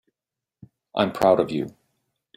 I'm proud of you.